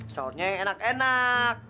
saurnya yang enak enak